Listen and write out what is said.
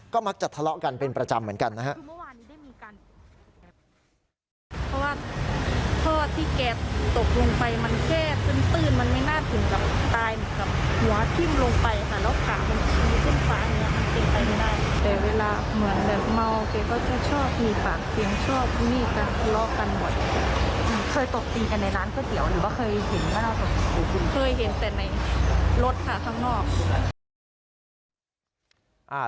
ก็มักจะทะเลาะกันเป็นประจำเหมือนกันนะครับ